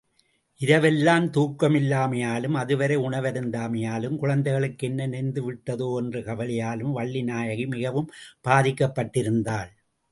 இரவெல்லாம் தூக்கமில்லாமையாலும், அதுவரை உணவருந்தாமையாலும், குழந்தைகளுக்கு என்ன நேர்ந்து விட்டதோ என்ற கவலையாலும் வள்ளிவிநாயகி மிகவும் பாதிக்கப்பட்டிருந்தாள்.